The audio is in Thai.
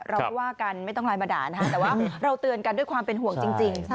เราไม่ว่ากันไม่ต้องไลน์มาด่านะคะแต่ว่าเราเตือนกันด้วยความเป็นห่วงจริง